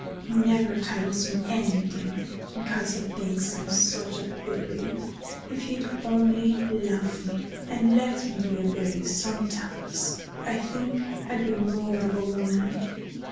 He never tells me any thing because he thinks I'm such a baby. If he'd only love me, and let me be a baby sometimes, I think I'd be more of a woman."